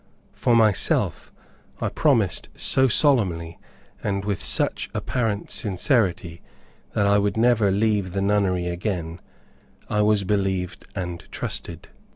For myself, I promised so solemnly, and with such apparent sincerity, that I would never leave the nunnery again, I was believed and trusted.